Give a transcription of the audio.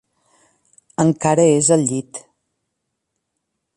Encara és al llit.